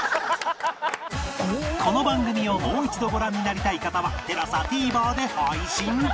この番組をもう一度ご覧になりたい方は ＴＥＬＡＳＡＴＶｅｒ で配信